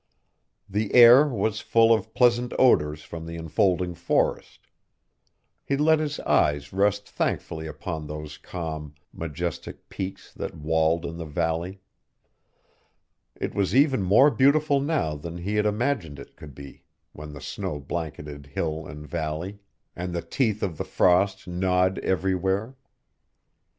The air was full of pleasant odors from the enfolding forest. He let his eyes rest thankfully upon those calm, majestic peaks that walled in the valley. It was even more beautiful now than he had imagined it could be when the snow blanketed hill and valley, and the teeth of the frost gnawed everywhere.